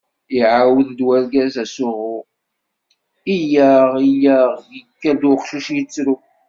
Iɛawed-d urgaz asuɣu: iyyaɣ, iyyaɣ, yekker-d uqcic, yettru.